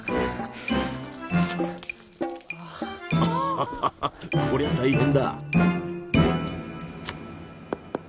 アハハハこりゃ大変だ。